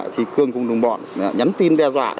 thì cường cùng đồng bọn nhắn tin đe dạng